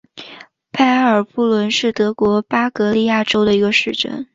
拜埃尔布伦是德国巴伐利亚州的一个市镇。